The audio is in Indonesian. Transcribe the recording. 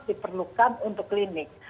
diperlukan untuk klinik